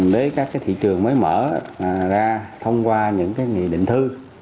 đấy các thị trường mới mở ra thông qua những định thư